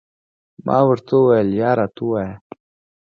ما ورته وویل، یا راته ووایه.